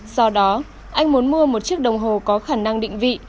do đó anh muốn mua một chiếc đồng hồ có khả năng định vị